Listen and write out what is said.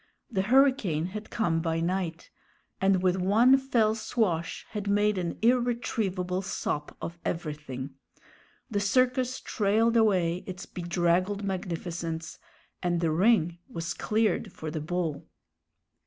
The hurricane had come by night, and with one fell swash had made an irretrievable sop of everything. The circus trailed away its bedraggled magnificence, and the ring was cleared for the bull.